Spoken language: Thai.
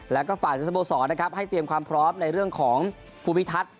แล้วก็ฝากถึงสโมสรนะครับให้เตรียมความพร้อมในเรื่องของภูมิทัศน์